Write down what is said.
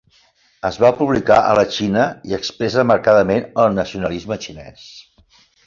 Es va publicar a la Xina i expressa marcadament el nacionalisme xinès.